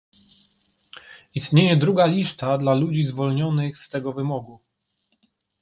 Istnieje druga lista, dla ludzi zwolnionych z tego wymogu